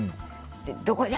どこじゃ！